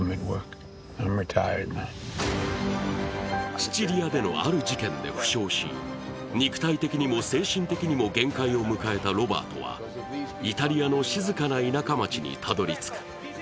シチリアでの、ある事件で負傷し肉体的にも精神的にも限界を迎えたロバートは、イタリアの静かな田舎町にたどり着く。